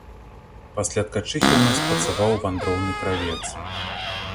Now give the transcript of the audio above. Пасля ткачыхі ў нас працаваў вандроўны кравец.